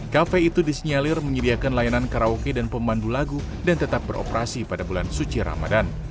kafe itu disinyalir menyediakan layanan karaoke dan pemandu lagu dan tetap beroperasi pada bulan suci ramadan